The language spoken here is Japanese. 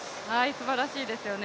すばらしいですよね。